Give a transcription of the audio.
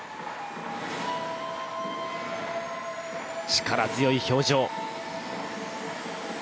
力強い表情。